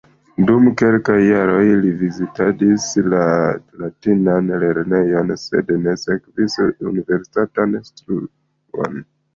Dum kelkaj jaroj li vizitadis la latinan lernejon, sed ne sekvis universitatan instruon.